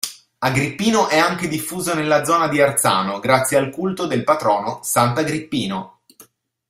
Agrippino è anche diffuso nella zona di Arzano, grazie al culto del patrono sant'Agrippino.